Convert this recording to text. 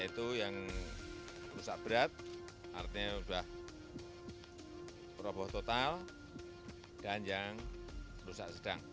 itu yang rusak berat artinya sudah roboh total dan yang rusak sedang